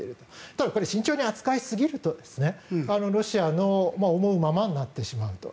ただ、慎重に扱いすぎるとロシアの思うままになってしまうと。